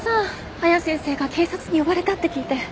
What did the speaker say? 綾先生が警察に呼ばれたって聞いて。